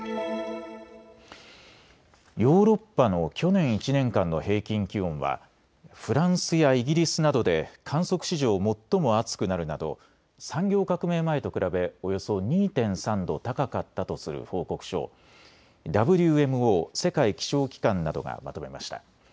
ヨーロッパの去年１年間の平均気温はフランスやイギリスなどで観測史上最も暑くなるなど産業革命前と比べおよそ２．３度高かったとする報告書をＷＭＯ・世界気象機関などがまとめました。